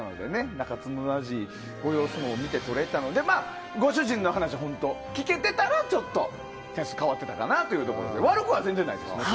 仲睦まじいご様子も見てとれたのでまあ、ご主人の話を聞けてたら点数変わってたなというところで悪くは全然ないです。